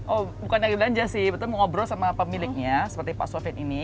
oh bukan yang dilanja sih betul mengobrol sama pemiliknya seperti pak sofyan ini